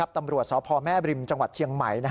ตำรวจสพแม่บริมจังหวัดเชียงใหม่